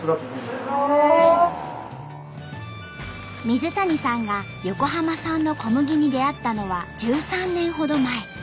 水谷さんが横浜産の小麦に出会ったのは１３年ほど前。